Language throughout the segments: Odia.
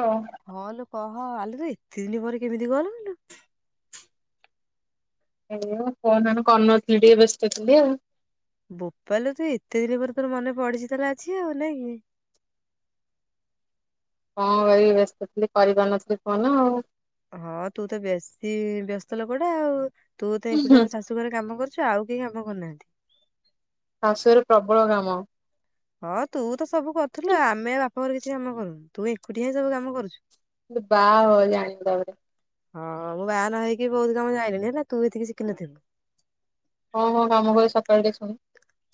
ଆଉ ହଁ ଲୋକ। ହଁ ଆଲ ତ ଏତେ ଦିନ ପରେ କେମିତି କଲ୍ କଲୁ। ଆଉ କ କରନଥିଲି ଟିକେ ବ୍ୟସ୍ତଥିଲି ଆଉ। ବୋପଲୋ ତୁ ଏତେ ଦିନ ପରେ ତୋର ମନେ ପଡିଛି ତାହେଲେ ଅଛି ଆଉ ନାଇଁ କି। କଣ କରିବି ବ୍ୟସ୍ତ ଥିଲି କରିପାରୁନଥିଲି ଫୋନ ଆଉ। ହଁ ତୁ ତ ବେଶୀ ବ୍ୟସ୍ତ ଲୋକଟା ଆଉ। ତୁ ତ ଏକୁଡିଆ ତ ଶାଶୁ ଘରେ କାମ କରୁଛୁ ଆଉ କେହି କାମ କରୁନାହାନ୍ତି। ଶାଶୁ ଘର ପ୍ରବଳ କାମ। ହଁ ତୁ ତ। ସବୁ କରିୁଥିଲୁ ଆମେ ବାପ। ଘରେ କିଛି କାମ କରୁନୁ ତୁ ଏକୁଟିି ହିଁବୁ କାମ କରୁଛୁ। ବା ହ ଜାଣିଲି ତା ପରେ। ହଁ ମୁଁ ବାହାାନ ହେଇକି ବହୁତ କାମ ଯାଇଲିଣି ହେଲା ତୁ ଏତିକି ଶିଖିନଥଥିଲୁ। ହଁ ହଁ କାମ ହ ସକାଳଳେ ଟ ଶୁଣି।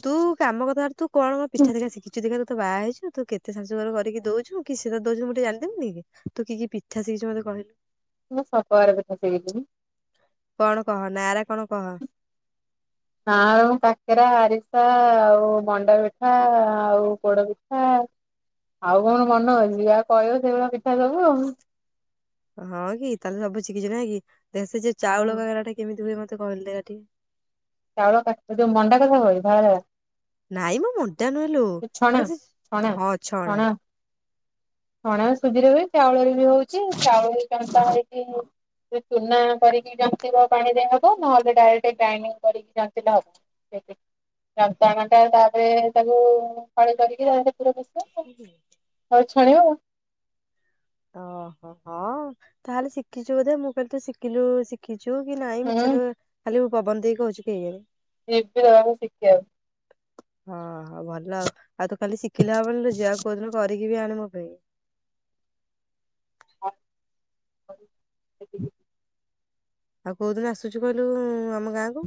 ତୁ କାମ କଥା ତୁ କଣ କଣ ପିଠା ଦେଖା ଶିଖିଛୁ ଦେଖା ତୁ। ତ ବାହା ହେଇଛୁ ତୁ କେତେ ଶାଶୁ ଘର କରିକି ଦଉଛୁ କି ସେ ଦଉୁଁ ଟେ ଜାଣିଦେବୁି କି ତୁ କି ପିଠା ସିଖିଛୁ ମତେ କହିଲୁ। ମୁଁ ସବ୍ ପ୍ରକାର ପିଠା ଶିଖିଥିଲି। କଣ କହ ନାର କଣ କହ। ହ ମୁ କାକେରା ଆରିସା ଆଉ ମଣ୍ଡା ପିଠା ଆଉ ପୋଡ ପିଠା ଆଉ କଣ ମନ ହଉଛି ଆଉ କହିବ ସେଇଭଳିଆ ପିଠା ସବୁ ଆଉ। ହଁ କି ତାହେଲେ ସବୁଛି କିଛି ନା ହେ କି। ଦେ ସେ ଯେ ହଁ ଚାଉଳ ଗାଗଲାଟା କେମିତି ହୁଏ ମତେ ଟିକେ। ତୁ କହିଲୁ ଦେଖା ଟିକେ। ଚାଉଳ କା ଯୋଉ ମଣ୍ଡା କଥା କହିଲୁ ଧଳା ଧଳା। ନାଇଁ ମୁଁ ମୁଣ୍ଡଟା ନୁହେଲୁ ଯୋଉ ଛଣା ଛଣା ହଁ ଛଣା। ଛଣା ସୁଝର ହୁଏ ଚାଉଳ ବି ହଉଛି ଚାଉଳ ଜତାା ହେଇକି ଚୁନା କରିକି ଜନ୍ତିବ ପାଣି ଦେଇ ହବ ନହେଲେ ଡାଇରେକ୍ଟ ଗ୍ରାଇଡିଙ୍ଗ କରିକି ଜତି ହବ ଯତାାଣଟା ତାପରେ ତାକୁ ଫ କରିକି ତାରେ। ବିଷ ହଉ। ଛାଣିବା। ଓହୋ ହଁ ତାହେଲେ ଶିଖିଛୁ ବୋଧେ ମୁଁ କହିଲି ତ ଶିଖିଲୁ ଶିଖିୁ। ଯୋଗି ନାଇଁ ହୁଁ ମିଚର ହଲି। ପବନ ଦେଇକ କହୁଛି କେହିଣି। ବି ତା ଶିଖି। ହଁ ହଁ ଭଲ ଆଉ ଆଉ ତୁ ଖାଲି ଶିଖିଲେ ହବନିଲୋ ଝିଅ ଆଉ କୋଉଦିନ କରିକି ବି ଆଣ ମୋ ପାଇଁ ହଁ ନେଇକି ଯିବି ଆଉ କୋଉ ଦିନ ଆସୁଛୁ କହିଲୁ ଆମ ଗାଁ କୁ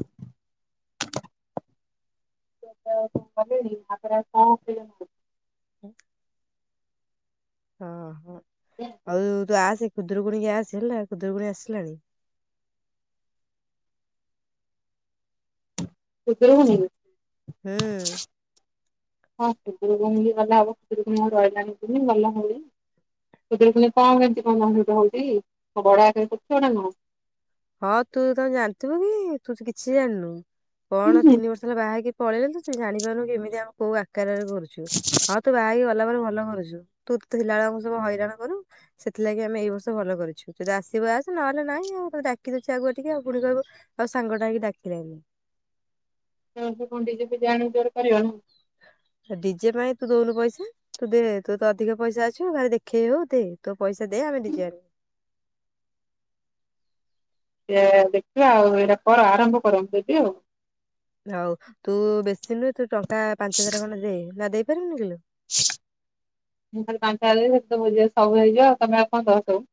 ଆ [unintelligible] ହୁଁ [unintelligible] ହଁ ହଁ ହଉ ତୁ ଆସ ସେ ଖୁଦରୁକୁଣୀ କୁ ଆସ ହେଲା ଖୁଦରୁକୁଣୀ ଆସିଲାଣି ଖୁଦୁରୁକୁଣୀ ହୁଁ ହଁ ଖୁଦରୁକୁଣୀ ଗଲା ହବ ଖୁଦରୁକୁଣୀ ଆଉ ରହିଲାନି ପୁଣି ଗଲାଭଳି ଖୁଦରୁକୁଣୀ କଣ କେମିତି କଣ ହଉଛି କଣ ବଡ ଆକାରରେ କରୁଛ ନା କଣ ହଁ ତୁ ତ ଜାଣିଥିବୁ କି ତୁ ତ କିଛି ଜାଣିନୁ କଣ ତିନି ବର୍ଷ ହେଲା ବାହାହେଇକି ପଳେଆଇଲୁ ସେ ଜାଣିପାରୁନି କେମିତିଆ କୋଉ ଆକାରରେ ଗୋଲ ହଁ ତୁ ବାହେଈ ଥିଲା ବେଳେ ଭଲ କରୁଛୁ ତୁ ଥିଲାବେଳ ଆମକୁ ସବୁ ହଇରାଣ କରୁ ସେଥିଲାଗି ଆମେ ଏଇ ବର୍ଷ ଭଲ କରିଛୁ ଯଦି ଆସିବୁ ଆସେ ନହେଲେ ନାଇଁ ଆଉେ ଡାକିଦଉଛି ଆଗୁଆ ଟିକେ ଆଉ ପୁଣି କହିବୁ ଆଉ ସାଙ୍ଗଟା ହେଇକି ଡାକିଲାନି ଏ ବର୍ଷ କଣ ଡିଜେ ଫିଡେ ଆଣି କରିବନା କଣ ଡିଜେ ପାଇଁ ତୁଦଉନୁ ପଇସା ତୁ ଦେ ତୁ ତ ଅଧିକ ପଇସା ଅଛି ଭାରି ଦେଖେଇ ହଉ ଦେ ତୋ ପଇସା ଦେ ଆମେ ଡିଜେ ଆଣିବୁ ସେ ଦେଖିବା ଆଉ ଏଇରା କର ଆରମ୍ଭ କର ମୁଁ ଦେବି ଆଉ ହଉ ତୁ ବେଶୀ ନୁହେଁ ହଁ ମୁଁ ଖଲି ପାଞ୍ଚହଜାଏ ଦେଇଦେବି ଭୋଜିରେ ସବୁ ହେଇଯିବ ତମେ ଆଉ କଣ ଦବ ସବୁ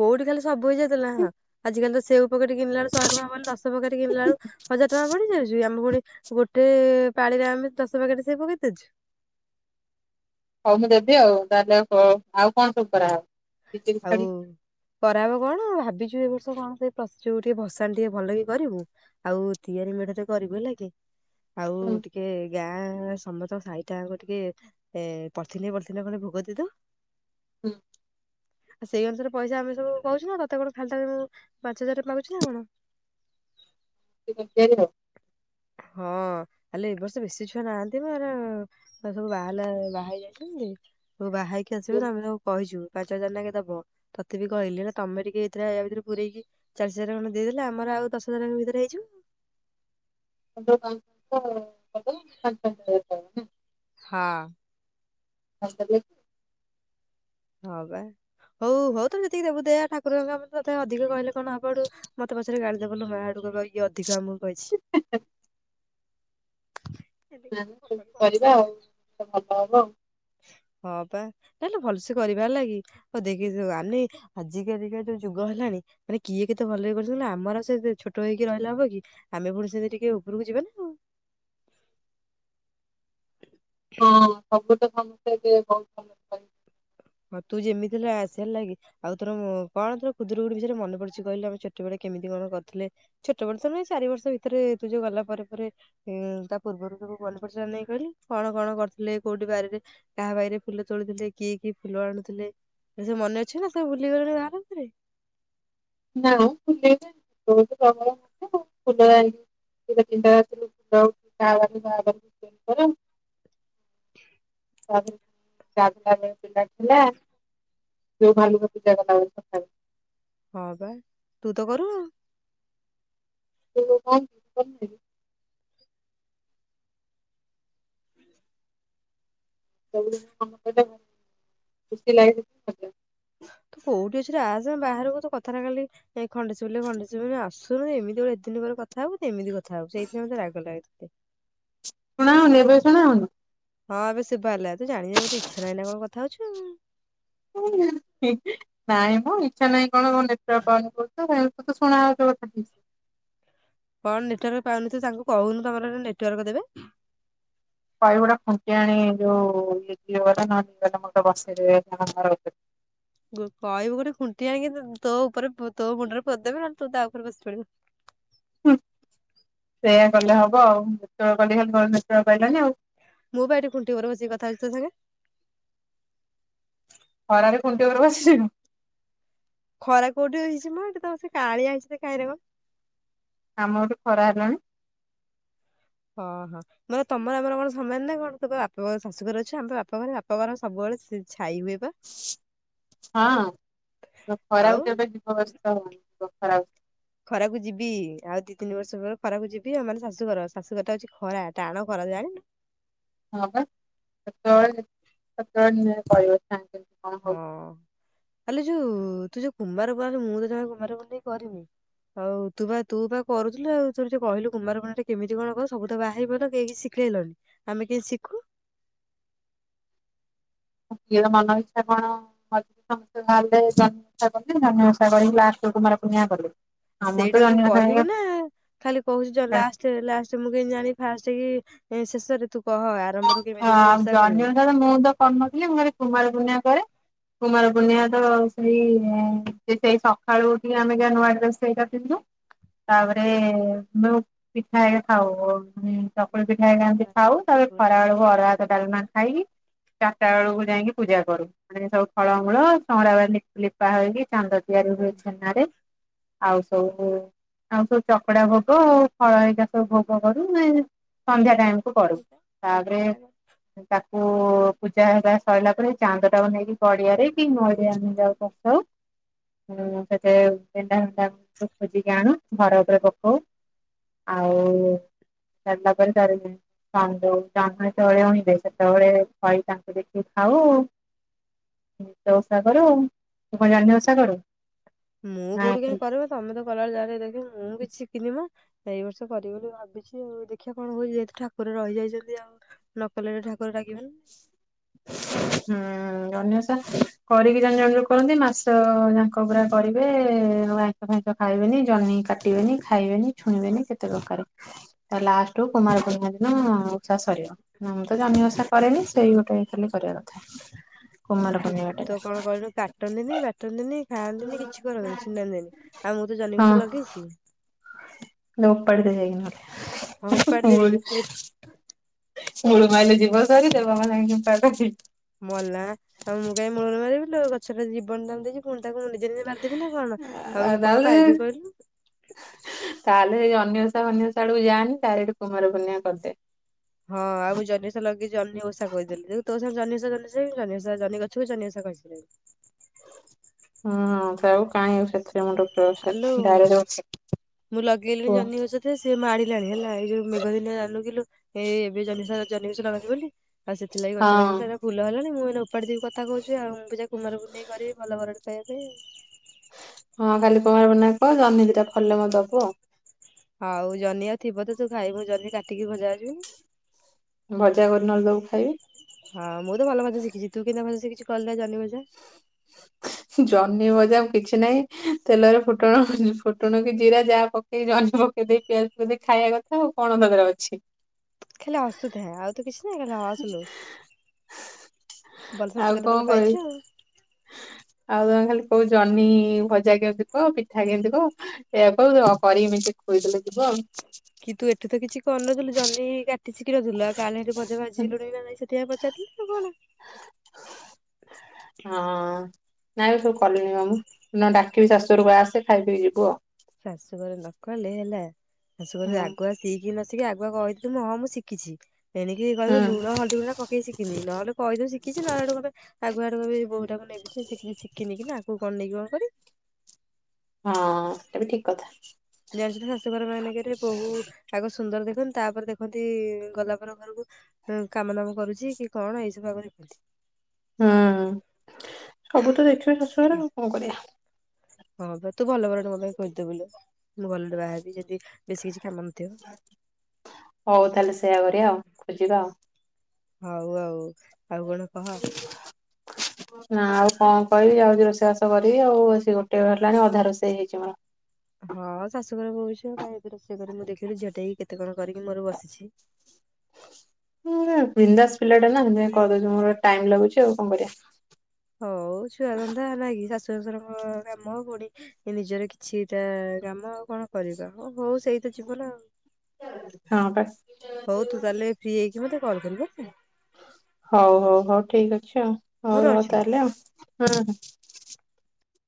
କୋଉଠି ଖାଲି ସବୁ ହେଇଯାଉଥିଲା ଆଜିିକାଲି ତ ସେଉ ପକେଟ କିଣିଲାବେଳକୁ ଶହେ ଟଙ୍କା ପଡଲେ ଦଶ ପକେଟ କିଣିଲା ବେଳକୁ ହଜାର ଟଙ୍କା ପଡିଯାଉଛି ଆମ ପୁଣି ଗୋଟେ ପାଳିରେ ଆମେ ଦଶ ପକେଟରେ ସେଉ ପକେଇ ଦେଉଛୁ ହଉ ମୁଁ ଦେବି ଆଉ ତାହେଲେ ଆଉ ଆଉ କଣ ସବୁ କରାହେବ ଆଉ କରାହବ କଣ ଭାବିଛୁ ଏ ବର୍ଷ କଣ ସେ ପଚକୁ ଟିକେ ଭସାଣି ଟିକେ ଭଲ କି କରିବୁ ଆଉ ତିଆରି ମେଢଟେ କରିବୁ ହେଲା କି? ଆଉ ହୁଁ ଟିକେ ଗାଁ ସମସ୍ତଙ୍କ ସାହିଟା ଜାଙ୍କ ଟିକେ ର ପଲଥିନେ ପଲଥିନେ କରି ଭୋଗ ଦେଇଦବୁ। ହଁ। ସେଇଅନୁସାରେ ପଇସା ଆମେ ସବୁ କହୁଛୁ ନା ତତେ କଣ ଖାଲିଟାରେ ମୁଁ ପାଞ୍ଚ ହଜାର ମାଗୁଛି ନା କଣ? ସେ କଣ ଫ୍ରୀ ରେ ଦେବ। ହଁ ହେଲେ ଏ ବର୍ଷ ବେଶି ଛୁଆ ନାହାଁନ୍ତି ମ ଏରା ଏସବୁ ବାହେଲା ବାହା ହେଇଯାଇଛନ୍ତି। ତୁ ବାହାହେଇକି ଆସିବେ ତାଙ୍କୁ ଆମେ ସବୁ କହିଛୁ। ପାଞ୍ଚ ହଜାର ନାକେ ଦବ ତଥାପି କହିଲେ ନା ତମେ ଟିକେ ଏଥିରେ ଜଦି ପୁରେଇକି ଆଭିତରେ ପୁରଇକି ଚାଳିଶ ହଜାର ଖଣ୍ଡେ ଦେଇଦେଲେ ଆମର ଆଉ ଦଶ ହଜାର ଭିତରେ ହେଇଯିବ। [unintelligible] [unintelligible] ହଁ। ହ ତ। ହଁବା ହଉ ହଉ ତୋର ଯେତିକି ଦେବୁ ଦେ ଠାକୁରଙ୍କ କାମ ଆମେ ତ ତତେ ଅଧିକ କହିଲେ କଣ ହବଡୁ ମତେ ପଛରେ ଗାଳି ଦେବୁଲୋ ମା ସେଠୁ କହିବ ଇଏ ଅଧିକ ଆମ ହୋଇଛି। ନାଁ ସେମିତି କରିବା ଆଉ ଭଲ ହବ ଆଉ। ହଁ ବା ତାହାଲେ ଭଲସେ କରିବାର ହେଲା କି ଦେଖ ଆଲୋ ଆଜିକା ଡେଟ୍ ରେ ଯୋଉ ଯୁଗ ହେଲାଣି ମାନେ କିଏ କେତେ ଭଲ ହେଇ କରି ଆମର ସେ ଛୋଟ ହେଇକି ରହିଲା ହବ କି ଆମେ ପୁଣି ସେମିତି ଟିକେ ଉପରକୁ ଯିବାନା ଆଉ। ହଁ ସବୁ ତ ସମସ୍ତେ ଏବେ ବହୁତ ଭଲ ପାଇ। ହଁ ଯେମିତି ହେଲେ ଆସେ ହେଲା କି ଆଉ ତୋର କଣ ତୁ ଖୁଦୁରୁକୁଣି ବିଷୟରେ ମାନେ ପଡୁଛି କହିଲୁ ଆମେ ଛୋଟବେଳେ କେମିତି କଣ କରୁଥିଲେ ଛୋଟବେଳୁ ତ ନୁହେଁ ଚାରି ବର୍ଷ ଭିତରେ ତୁ ଯୋଉ ଗଲା ପରେ ପରେ ତା ପୂର୍ବରୁ ସବୁ ମନେ ପଡୁଛି ନା ନାହିଁ କଲି କଣ କଣ କରିଥିଲେ କୋଉଠି ବାରିରେ କାହା ବାରିରେ ଫୁଲ ତୋଲୁଥିଲେ କିଏ? କି ଫୁଲ ଆଣୁଥିଲେ ସେସବୁ ମନେ ଅଛି ନା ସବୁ ଭୁଲିଗଲୁ ୟା ଭିତରେ। ନା ଫୁଲି ବହୁ ପ୍ରବଳ [unintelligible] [inaudible] ଜାଗ ପିଲା ଥିଲା ଯୋଉ ଭଲୁ ଜାଗା [unintelligible] ହଁ ବା ତୁ ତ କରୁ ଆଉ। [unintelligible] [unintelligible] ତୁ କୋଉଠି ଅଛୁ ରେ ଆସ ବାହାରକୁ ତ କଥାଟା କାଲି ଖଣ୍ଡେ ଶୁଭୁନି ଖଣ୍ଡେ ଶୁଭୁନି ଆସୁନୁ ଏମିତି ଗୋଟେ ଏ ଦିନ ପରେ କଥା ହବ ଏମିତି କଥା ହବୁ ସେଇଥି ପାଇ ମତେ ରାଗ ଲାଗୁଛି ତତେ। ଶୁଣା ହଉନି ଏବେ ଶୁଣା ହଉନି। ହଁ ଏବେ ଶୁଭା ହେଲା ତୁ ଜାଣିଯାଉ ମତେ ଇଚ୍ଛା ନାହିଁ ନା କଣ କଥା ହଉଛୁ? ନାଇଁ ମ ଇଛା ନାଇଁ। କଣ କଣ ନେଟୱର୍ ପାଉନି କହୁଥୀରେ। ତତେ ଶୁଣା ଯାଉଥିବ [unintelligible] ଠିକ୍ ସେ କଣ ନେଟୱାର୍କ ପାଉନି ତୁ ତାଙ୍କୁ କହୁନୁ ତମର ନେଟୱାର୍କ ଦେବେ। କହିବୁ ଗୋଟେ ଖୁଣ୍ଟି ଆଣିବେ ଯୋଉ [unintelligible] ନ ନେଇଗଲା ବସେଇ ଦେବେ ତୁମ ଘର ଆଗରେ। କହିବୁ ଗୋଟେ ଖୁଣ୍ଟି ଆଣିକି ତୋ ଉପରେ ତୋ ମୁଣ୍ଡରେ ପୋତି ଦେବେ ନହେଲେ ତୋ ତା ଉପରେ ବସି ପଡିବୁ। ହୁଁ ସେଇଆ କଲେ ହବ ଆଉ ଯେତେବେଳେ କଲେ ଖାଲି ନେଟୱର୍କ ପାଇଲାନି ଆଉ। ମୁଁ ପା ଏଠି ଖୁଣ୍ଟି ଉପରେ ବସିକି କଥା ହଉଚି ତୋ ସାଙ୍ଗରେ। ହଳରେ କୁଣ୍ଟି ଉପାରେ ବସିଛୁ। ଖରା କୋଉଠି ହେଇଛି ମ ଏଇଠି କାଳିଆ [unintelligible] ଆମର ଖରା ହେଲାଣି। ହଁ ହଁ ମୁଁ କଣ ତମ ସହ ସମାନି ନ କଣ ତୁ ବାପ ଶାଶୁ ଘରେ ଅଛୁ ଆମେ ବାପ ଘରେ ସବୁବେଳେ ସିଝା ଖାଇବେ ପା। ହଁ ଆଉ ଖରାକୁ କେବେ ଯିବିବ [unintelligible] ଖରା ହଉଛି [unintelligible] ଖରାକୁ ଯିବି ଆଉ ଦି ତିନି ବର୍ଷ ପରେ ଖରାକୁ ଯିବି ଆଉ ମାନେ ଶାଶୁଘର ଶାଶୁଘର ଟା ହଉଛି ଖରା ଟାଣ ଖରା ଜାଣନୁ [unintelligible] ହଁ ହଉଛି ଖଲି ତୁ ଯୋଉ କୁମାରକୁୁଣ ମୁଁ ତ ଜଣେ କୁମାରକୁୁଣ୍ଡ କରିନି ଆଉ ତୁ ବା ତୁ ବା କରୁଥିଲୁ ଆଉ ତୋ ଯ କହିଲୁ କୁମାରକୁୁଣ୍ଡ ଟା କେମିତି କଣ କ ସବୁ ତ ବାହାରିିବନ କେହି ଶିଖେଇଲନି ଆମେ କେହି ଶିଖୁ [unintelligible] କିଏର ମନ ଇଚ୍ଛା କଣ ସମସ୍ତେ ବାହାରିଲେ ଜନ୍ମା କଲେ ଜନ୍ମା କରିକି ଲାଷ୍ଟ କୁମାର ପୂ୍ଣ୍ଣିମା କରେ। ସେଇଟାକୁ କହିବୁ ନା ଖାଲି କହୁଚ ଲାଷ୍ଟ୍ ଲଷ୍ଟ୍ ମୁଁ କେମିତି ଜାଣିବି ଫାଷ୍ଟ କି ଏ ଶେଷରେ ତୁ କହ ହ ଆରମ୍ଭରୁ କେମିତି କଣ ଆଉ ଜନୀ କରିବୁ। ଓଷା ରେ ମୁଁ ତ କରିନଥିଲି ମୁଁ ଖାଲି କୁମାର୍ ପୂର୍ଣ୍ଣିମା କରେ। କୁମାର ପୂର୍ଣ୍ଣିମା ତ ଆଉ। ସେଇ ସେଇ [unintelligible] ଆଳୁ ଟିକେ ଆମେ ଯ ନୂଆ ଡ୍ରେସ୍ ସେଇଟା ପିନ୍ଧୁ ତାପରେ ଆମେ ପିଠା ହେ ଖଥାାଉ [unintelligible] ହୁଁ ଚକୁଳି ପିଠା ଏଗୁରା ଏମିତି ଖାଉ ତାପରେ କୁ ଅରୁଆ ଭାତ ଡଲମା ଖାଇକି। ଚାରଟା ବେଳକୁ ଯାଇକିଁ ପୂଜା କରୁ ମାନେ ସବୁ ଫଳମୂଳ ଚଉଁରା ବାଲି ଲିପା ହେଇକି ଚାନ୍ଦ ତିଆରି ହୁଏ ଛେନାରେ। ଆଉ ସବୁ ଆଉ ସବୁ ଚକଡା ଭୋଗ ଆଉ ଫଳ ଘରିକା ସବୁ ଭୋଗ କରୁ ନ୍-ସନ୍ଧ୍ୟା ଟାଇମ କରୁ। ତା ପରେ ତା କୁ ପୂଜା ହଇକା ସଇଲା ପରେ ଚାନ୍ଦ ଟାକୁ ନେଇକି ଗଡ଼ିଆରେ କି ନଈରେ ଆମ ଯାଉ ପକାଉ ସେଥିରେ ଉଁସେଠାରେ ଗେଣ୍ଡା ଫେଣ୍ଡା କଣ ଖୋଜିକି ଆଣୁ ଘର ଉପରେ ପକଉ ଆଉ ସରିଲା ପରେ ତା ଯୋଉ ଜହ୍ନ ଯେତେବେଳେ ଉଇଁବେ ସେତେବେଳେ ଖଈ ତାଙ୍କୁ ଦେଖିକି ଖାଉ ଏଇ ତ ଓଷା କରୁ ଆଉ ତୁ କଣ ଜନ୍ନହି ଓଷା କରୁ? ମୁଁ ନା କୋଉଠି କାଇଁ ହୁଁ କରେ ବା ତମେ ତ କଲାବେଳେ ଯାହା ଟିକେ ଦେଖେ ମୁଁ କିଛି ଶିଖିନି ମ ଏଇ ବର୍ଷ କରିବି ବୋଲି ଭାବିଚି ଆଉ ଦେଖିଆ କଣ ହଉଚି ଯେହେତୁ ଠାକୁର ରହିଯାଇଚନ୍ତି ଆଉ ନକଲେ ଠାକୁ ହୁଁଉଁ। ଜହ୍ନି ଓଷା କରିକି ଜଣେ ଜଣେ ଯୋଉ କରନ୍ତି ମାସ ଯାଙ୍କ ପୁରା କରିବେ ଆଇଁଶ ଫାଇଁଷ ଖାଇବେନି ଜହ୍ନି କାଟିବେନି ଖାଇବେନି ଛୁଇଁବେେନି କେତେ ପ୍ରକାରେ ତା ଲାଷ୍ଟ ହ କୁମାର ପୂର୍ଣ୍ଣିମା ଦିନ ଓଷା ସରିବ ମୁଁ ତ ଜହ୍ନି ଓଷା କରେନି ସେଇ ଗୋଟେ ଖାଲି କରିଆ କଥା। ଆଉ କୁମାର ତୁ ପୂର୍ଣ୍ଣିମା ଟା ତ୍ କଣ କଇଲୁ କାଟନ୍ତିନି ବାଟନ୍ତିନି ଖାଆନ୍ତିନି କିଛି କରନ୍ତିନି ଛିଣ୍ଡାନ୍ତିନି ଆଉ ମୁଁ ତ ଜହ୍ନିଗଛ ଲଗେଇଚି। ନେ ଓପାଡ଼ି ଦେ ଯାଇକି ନ ହେଲେ। ଆଉ ଉପାଡି [unintelligible] ଦେବି ବେ ମୁଳ ମୂଲୁ ମାଇଲେ ଯିବ ସରି ଦେବାଙ୍କ ଲାଗି କିମ୍ପା କରି ସେଟା ଜୀଵନ ଦାନ ଦେଇଚି ପ ତାକୁ ମୁ ନିଜେ ନିଜେ ମାରିଦେବି ନା କଣଅଁ ଆଉ କଣ ପାଇବି କହିଲୁ। ସେ ଜହ୍ନି ଓଷା ଫହ୍ନି ଓଷା ଆଡ଼କୁ ଯାନି ଡାଇରେକ୍ଟ କୁମାରପୂର୍ଣ୍ଣିମା କରି ଦେ। ହଁ ଆଉ ମୁଁ ଜହ୍ନିଓଷା ଲଗିଚ୍ ଜହ୍ନି ଓଷା କଇଦେଲି ଦେଖେ ତୋ ସଙ୍ଗେ ଜହ୍ନିଓଷା ଜହ୍ନିଓଷା ହୋଇ ଜହ୍ନି ଗଛକୁ ବି ଜହ୍ନିଓଷା କହିସା ହଁଅଁ ତାଉ କାଇଁ ଆଉ ସେଥିରେ ମୁଣ୍ଡ ପୁରେଇବ ଆଲୋ ସେ ଡାଇରେକ୍ଟ ମୁଁ ଲଗେଇଲିଣି କୁହ ଜହ୍ନି ଗଛ ଯେ ସେ ମାଡିଲାଣି ହେଲା ଏଇ ଯୋଉ ମେଘ ଦିନ ଜାଣିନୁ କିଲୋ ଏ ଏବେ ଜହ୍ନି-ଜହ୍ନି ଗଛ ଲଗାନ୍ତି ବୋଲି ଆଉ ସେଥିଲାଗି ଗଛ ହଁ ଲଗେଇ ସେରା ଫୁଲ ହେଲାଣି ମୁଁ ଉପାଡିି ଦେବି କଥା କହୁଚୁ ଆଉ ମୁଁ କୁମାର ପୁନେଇଁ କରିବି ଭଲ ବର ପାଇବି। ହଁ ଖାଲି କୁମାରପୂର୍ଣ୍ଣିମା କଅ ଜହ୍ନି ଦିଟା ଫଳିଲେ ମୋତେ ଦବୁ ଆ ଆଉ ଜହ୍ନିଆଉ ଥିବ ତ ତୁ ଖାଇବୁ ମୁଁ ଜହ୍ନି କାଟିକି ଭଜାବି ଭଜା କରି ନହେଲେ ଦବୁ ଖାଇବି। ହଁ ମୁଁ ତ ଭଲ ଭଜା ଶିଖିଚି, ତୁ କେନ୍ତିଆ ଭଜା ଶିଖିୁଚୁ? କଲେ ଜହ୍ନି ଭଜା। ଜହ୍ନି ଭଜା ଆଉ କିଛି ନାହିଁ ତେଲରେ ଫୁଟଣ ଫୁଟଣ କି ଜିରା ଯାହା ପକେଇକି ଜହ୍ନି ପକେଇ ଦେଇ ପିଆଜ ପକେଇ ଦେଇ ଖାଇଆ କଥା ଆଉ କଣ ତା ଧିରେ ଅଛି। ଖାଲି ହସୁ ଥା ଆଉ ତ କିଛି ନହିଁ ଖାଲି ହସ୍ ଲୋ ଭଲ୍ ଆଉ ଶାଶୁ ଘର କଣ ତାଲେ କହିବି ପାଇଚୁ ଆଉ। ଆଉ ତମେ ଖାଲି କୋଉ ଜହ୍ନିଇ ଭଜା କେନ୍ତି କଅ ପିଠା କେନ୍ତି କଅ ଏ ୟାକୁ କରିକି ମେଞ୍ଚେ ଖୋଇଦେଲେ ଯିବ ଆଉ। କିନ୍ତୁ ଏଠିତ କିଛି କରିନଥିଲୁ ଜହ୍ନି। କିଛି ଟିକେ ଥିଲା କାଲିରେ ଭଜା ଭାଜି ଲୁଣି ନାଇ ସେ ସେଇୟା ପଚାରିଲଥିଲି ତ କଣ ହଁ ନାଇଁ ସବୁ କଲିଣି ବା ମୁଁ ନା ଡାକିବି ଶାଶୁଘରକୁ ଆସେ। ଖାଇପିକି ଯିବୁ ଆଉ। ଶାଶୁଘରେ ନ କଲେ ହେଲା ଶାଶୁଘରେ ହୁଁ ଆଗୁଆ ସିକିନ ଛି ଆଗୁଆ କହିଥିଲି ମୁଁ ହଁ ମୁଁ ଶିଖିଚି। ଏଣିକି କହିବୁ ହୁଁ। ଲୁଣ ହଳଦୀଗୁଣ୍ଡ ପକେଇ ସିଖିନି ନହେଲେ କହିଦେ ଶିଖିଚି ନହେଲେ ସେଠୁ କହିବେ ଆଗୁଆଡେକୁ ବି ବୋହୁ ମଟାକୁ ନେଇେ ସେ କିଛି ଶିଖିନି ନା ଆଗକୁ କଣ ନେଇକି କଣ କରିବୁ? ହଁ ଏବେ ଠିକ। କଥା। ଜାଣିଛୁ ତ ଶାଶୁଘର ମାନେଙ୍କରେ ବହୁ ଆଗ ସୁନ୍ଦର ଦେଖ ଖନ୍ତୁ ତାପରେ ଦେଖନ୍ତି ଗଲା ପରେ ଘରକୁ କାମଦାମ କରୁଚି କି କଣ ଏଇସବୁ ଆଗରୁ ଦେଖନ୍ତି। ହୁଁ ସବୁ ତ ଦେଖିବେ ଶାଶୁଘରେ ଆଉ କଣ କରିବା। ହଁ ତୁ ଭଲ ବରଟେ ମୋ ପାଇଁ ଖୋଜି ଦେବୁ ଲୋ, ମୁଁ ଭଲରେ ବାହାହେବି ଯେମିତି ବେଶୀ କିଛି କାମ ନଥିବ ହଉ ତାହେଲେ ସେୟା କରିବା ଆଉ ଖୋଜିବା ଆଉ। ହଉ ଆଉ। ଆଉ କଣ କହ? ନା ଆଉ କଣ କହିବି, ଯାଉଚି ରୋଷେଇବାସ କରିବି ଆଉ ସେ ଗୋଟେ ହେଲାଣି ଅଧା ରୋଷେଇ ହେଇଚି ମୋର। ହଁ ଶାଶୁଘର ବୋହୂ ହେଇଚୁ କାଇଁ ରୋଷେଇ କରି ମୁଁ ଦେଖିଲି ଝିଅ ଟେକି କେତେ କଣ କରିକି ମୋର ବସିଚି। ହୁଁ ବିନ୍ଦାସ ପିଲାତା ନା ହେ କହିଦଉଛି ମୋର ଟାଇମ ଲାଗୁଛି ଆଉ କଣ କରିବା। ହଉ ଛୁଆଧନ୍ଦା ନାକି ଶାଶୁ କାମ ହଉ ପୁଣି ନିଜର କିଛିଟା କାମ ଆଉ କଣ କରିବା ହଁ ହଉ ସେଇ ତ ଜୀବନ ଆଉ। ହଁପା କେମିତି ହଉ ହଉ ହଉ। ଠିକ ଅଛି। ଆଛା ହଉ ରଉ ତାହେଲେ ଆଉ ହଁ।